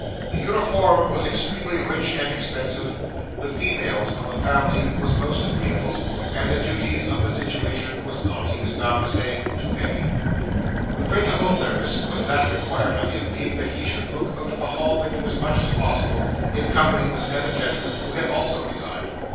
The uniform was extremely rich and expensive, the females of the family was most agreeable, and the duties of the situation was not, he was bound to say, too heavy; the principal service that was required of him, being, that he should look out of the hall window as much as possible, in company with another gentleman, who had also resigned.